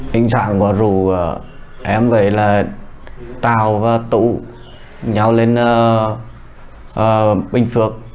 tình trạng của rủ em về là tàu và tụ nhau lên bình phước